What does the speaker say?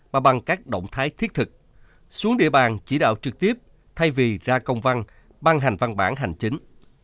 và bằng các động thái thiết thực xuống địa bàn chỉ đạo trực tiếp thay vì ra công văn ban hành văn bản hành chính